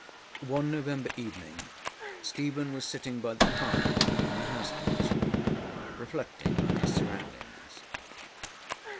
One November evening Stephen was sitting by the fire in the housekeeperŌĆÖs room reflecting on his surroundings.